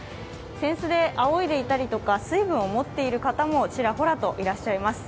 扇子であおいでいたりとか、水分を持っている方もちらほらといらっしゃいます。